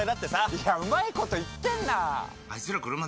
いやうまいこと言ってんな！